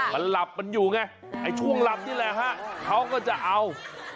มันหลับมันอยู่ไงไอ้ช่วงหลับนี่แหละฮะเขาก็จะเอา